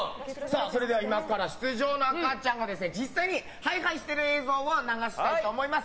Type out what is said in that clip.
今から、出場の赤ちゃんが実際にハイハイしている映像を流したいと思います。